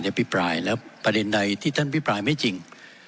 พิปรายแล้วประเด็นใดที่ท่านพิปรายไม่จริง